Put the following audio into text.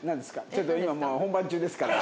ちょっと今もう本番中ですから。